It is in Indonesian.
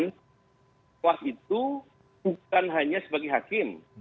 pengawas itu bukan hanya sebagai hakim